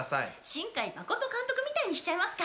新海誠監督みたいにしちゃいますか。